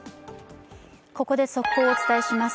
ここで速報をお伝えします。